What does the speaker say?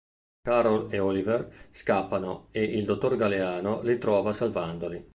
Carol e Oliver scappano, e il Dr. Galeano li trova salvandoli.